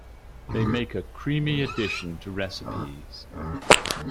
They make a creamy addition to recipes.